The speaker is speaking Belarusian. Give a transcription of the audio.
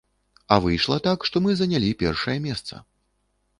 А выйшла так, што мы занялі першае месца.